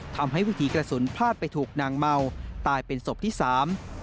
ทำให้วิถีกระสุนพลาดไปถูกนางเมาตายเป็นศพที่สาม